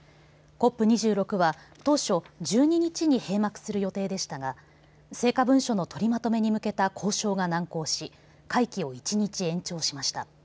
ＣＯＰ２６は当初１２日に閉幕する予定でしたが成果文書の取りまとめに向けた交渉が難航し会期を１日延長しました。